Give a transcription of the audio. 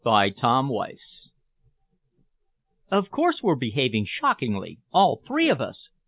CHAPTER XV "Of course, we're behaving shockingly, all three of us!"